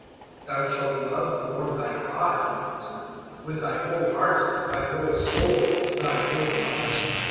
022:037 "`Thou shalt love the Lord thy God,'" He answered, "`with thy whole heart, thy whole soul, thy whole mind.'